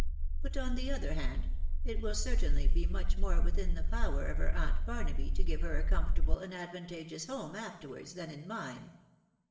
But, on the. other hand, it will ^certainly be much more within the power of her aunt Barnaby 'to give her a comfortable and advantageous home .afterwards, "than in mine.